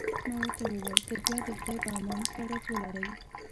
ما ورته وویل: تر بیا د خدای په امان، ښه ورځ ولرئ.